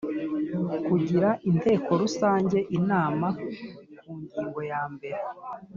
Kugira Inteko Rusange inama ku ngingo yambere